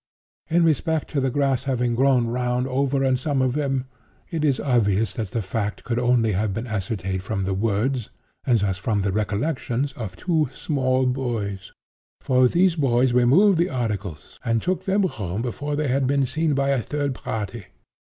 In respect to the grass having 'grown around and over some of them,' it is obvious that the fact could only have been ascertained from the words, and thus from the recollections, of two small boys; for these boys removed the articles and took them home before they had been seen by a third party.